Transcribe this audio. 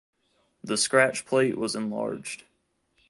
The scratch plate was enlarged.